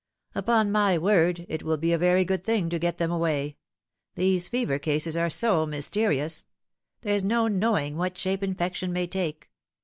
" Upon my word, it will be a very good thing to get them away. These fever cases are so mysterious. There's no knowing what shape infection may take.